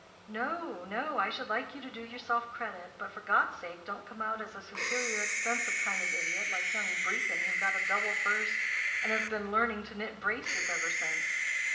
"No, no. I should like you to do yourself credit, but for God's sake don't come out as a superior expensive kind of idiot, like young Brecon, who got a Double First, and has been learning to knit braces ever since.